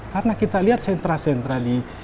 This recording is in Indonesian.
karena kita lihat sentra sentra